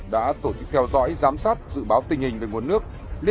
đã tổ chức theo dõi giám sát dự báo tình hình về nguồn nước